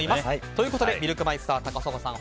ということでミルクマイスター高砂さん